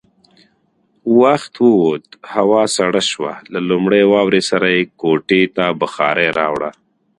وخت ووت، هوا سړه شوه، له لومړۍ واورې سره يې کوټې ته بخارۍ راوړه.